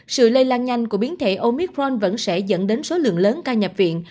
sự lây lan nhanh của biến thể omicron vẫn sẽ dẫn đến số lượng lớn ca nhập viện